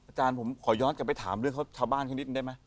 อาจารย์ผมขอย้อนกลับไปถามเรื่องชาวบ้านเขานิดได้ไหม